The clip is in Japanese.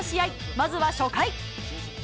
まずは初回。